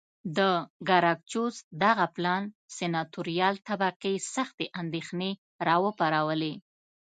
د ګراکچوس دغه پلان سناتوریال طبقې سختې اندېښنې را وپارولې